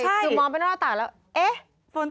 คือมองไปในรอดต่างแล้วเอ๊ะฝนตก